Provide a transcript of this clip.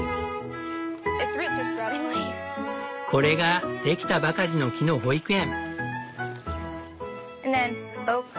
これができたばかりの木の保育園。